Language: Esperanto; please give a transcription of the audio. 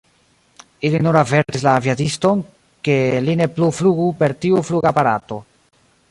Ili nur avertis la aviadiston, ke li ne plu flugu per tiu flugaparato.